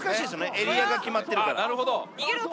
エリアが決まってるから逃げるのか！？